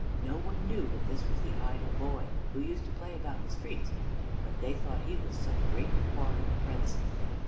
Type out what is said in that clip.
No one knew that this was the idle boy who used to play about the streets but they thought he was some great foreign Prince.